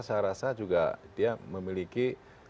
saya rasa juga dia memiliki